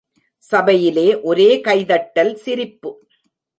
சபையில் ஒரே கை தட்டல் சிரிப்பு.